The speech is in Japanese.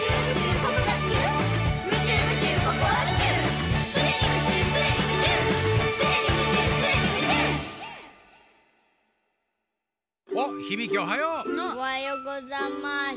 おはようございます。